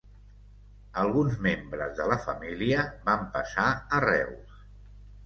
Alguns membres de la família van passar a Reus.